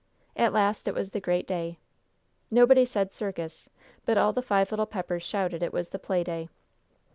At last it was the great day. Nobody said "circus," but all the five little Peppers shouted it was the Play Day!